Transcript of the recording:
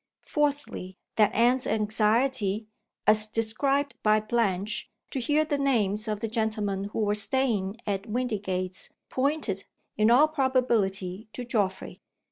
Fourthly, that Anne's anxiety (as described by Blanche) to hear the names of the gentlemen who were staying at Windygates, pointed, in all probability, to Geoffrey.